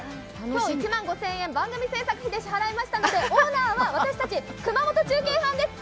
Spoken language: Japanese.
今日１万５０００円、番組制作費で支払いましたのでオーナーは私たち熊本中継班です。